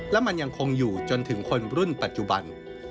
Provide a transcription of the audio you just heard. และมันยังคงอยู่จนถึงคนรุ่นปัจจุบัน